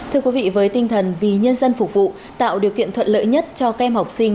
thưa quý vị với tinh thần vì nhân dân phục vụ tạo điều kiện thuận lợi nhất cho các em học sinh